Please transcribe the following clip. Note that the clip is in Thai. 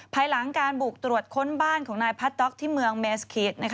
ภายหลังการบุกตรวจค้นบ้านของนายพัดด็อกที่เมืองเมสคิต